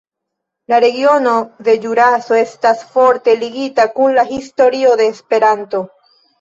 La regiono de Ĵuraso estas forte ligita kun la historio de Esperanto.